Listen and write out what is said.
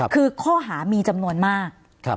คือข้อหามีจำนวนมาก